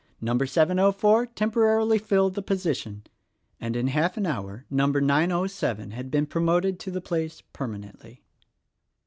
Number 704 temporarily fill the position,' and in half an hour number 907 had been promoted to the place, permanently."